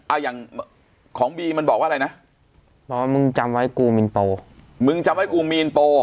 อ่ะอย่างของบีมันบอกว่าอะไรนะบอกว่ามึงจำไว้กูมีนโปรมึงจำไว้กูมีนโป